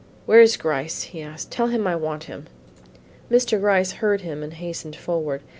"Where is Gryce?" asked he; "tell him I want him." Mr. Gryce heard him and hastened forward.